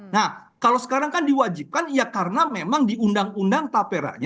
nah kalau sekarang kan diwajibkan ya karena memang di undang undang taperanya